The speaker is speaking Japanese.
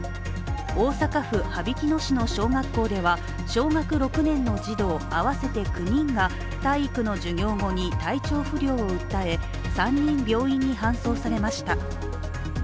大阪府羽曳野市の小学校では小学６年の児童、合わせて９人が体育の授業後に体調不良を訴え、３人病院に運ばれました。